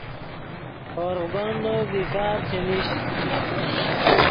ہورغ بندو بیکار چے نیش